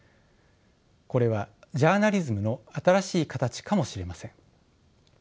これはジャーナリズムの新しいかたちかもしれません。